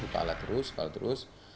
hari itu kalah terus kalah terus